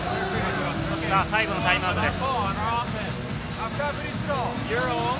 最後のタイムアウトです。